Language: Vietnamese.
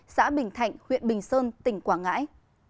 xã bình thạnh huyện bình sơn tỉnh quảng ngãi